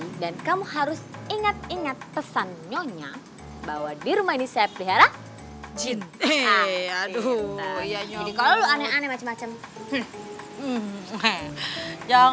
mengerti dan kamu harus ingat ingat pesan nyonya bahwa di rumah ini saya pelihara jinn